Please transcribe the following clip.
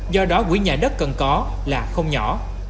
do đó quỹ nhà đất cần có là không nhỏ